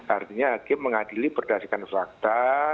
artinya hakim mengadili berdasarkan fakta